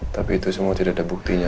tapi itu semua tidak ada buktinya